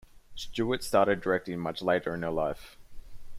Stewart started directing much later in her life.